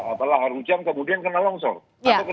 apalah harujan kemudian kena longshore